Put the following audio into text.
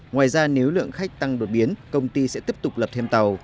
ngoài ra nếu lượng khách tăng đột biến công ty sẽ tiếp tục lập thêm tàu